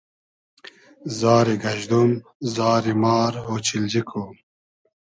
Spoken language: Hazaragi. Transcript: زاری گئژدوم ، زاری مار اۉچیلجی کو